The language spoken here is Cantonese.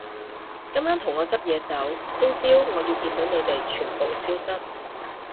今晚同我執嘢走，聽朝我要見到你哋全部消失